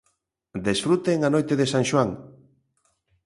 Desfruten a noite de San Xoán.